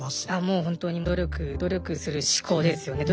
もう本当に努力努力する思考ですよね